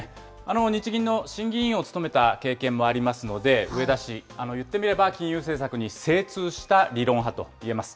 日銀の審議委員を務めた経験もありますので、植田氏、いってみれば金融政策に精通した理論派と言えます。